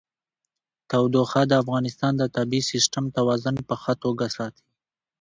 تودوخه د افغانستان د طبعي سیسټم توازن په ښه توګه ساتي.